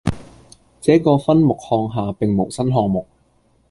這個分目項下並無新項目